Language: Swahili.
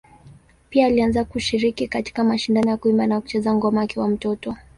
Pia alianza kushiriki katika mashindano ya kuimba na kucheza ngoma akiwa mtoto.